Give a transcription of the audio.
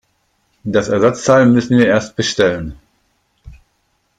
Das Ersatzteil müssten wir erst bestellen.